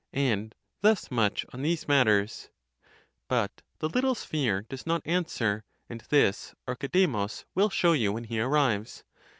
And thus much on these mat ters. 'But the little sphere? does not answer; and this Archidemus will show you, when he arrives.